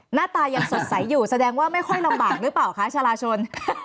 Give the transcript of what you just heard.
หน้าตายังสดใสอยู่แสดงว่าไม่ค่อยลำบากหรือเปล่าคะชาลาชน